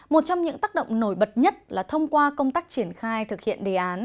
một trong những tác động nổi bật nhất là thông qua công tác triển khai thực hiện đề án